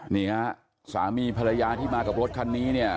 นี่ฮะสามีภรรยาที่มากับรถคันนี้เนี่ย